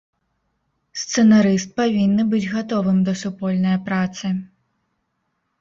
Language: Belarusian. Сцэнарыст павінны быць гатовым да супольнае працы.